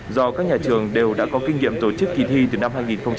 do các nhà trường đều đã có kinh nghiệm tổ chức kỳ thi từ năm hai nghìn một mươi chín